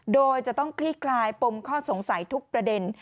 โดยจะต้องคลี่คลายปมข้อสงสัยทุกประเด็น